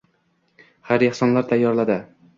Xayr-ehsonlar tayyorladi.